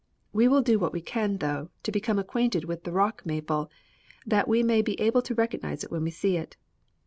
We will do what we can, though, to become acquainted with the rock maple, that we may be able to recognize it when we see it.